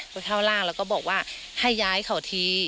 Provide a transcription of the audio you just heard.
ไปเท่าร่างแล้วก็บอกว่าให้ย้ายเขาที